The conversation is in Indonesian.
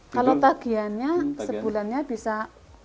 kalau tagihannya sebulannya bisa rp tiga puluh satu